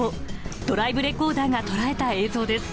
ドライブレコーダーが捉えた映像です。